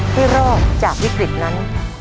ให้รอดจากวิกฤตนั้น